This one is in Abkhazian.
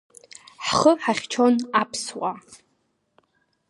Ҳхы ҳахьчон аԥсуаа.